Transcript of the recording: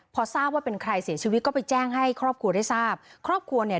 พอทราบว่าเป็นใครเสียชีวิตก็ไปแจ้งให้ครอบครัวได้ทราบครอบครัวเนี่ย